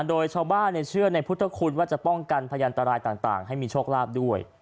โดยชาวบ้านเชื่อในพุทธคุณว่าจะป้องกันพยันตรายต่างให้มีโชคลาภด้วย